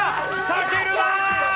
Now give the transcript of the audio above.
たけるだ！